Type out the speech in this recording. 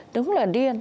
đúng là điên